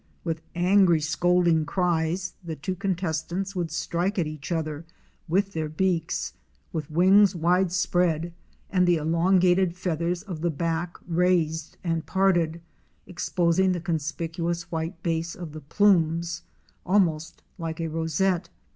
With angry scold ing cries the two contestants would strike at each other with JUNGLE LIFE AT AREMU. 303 their beaks, with wings wide spread and the elongated feathers of the back raised and parted, exposing the conspicuous white base of the plumes, almost like a rosette.